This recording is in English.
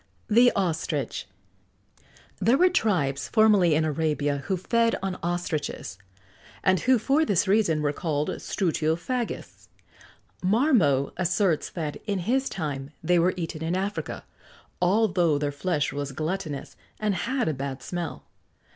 THE OSTRICH. There were tribes formerly in Arabia who fed on ostriches, and who for this reason were called strutiophagists.[XX 78] Marmot asserts that, in his time, they were eaten in Africa, although their flesh was glutinous, and had a bad smell.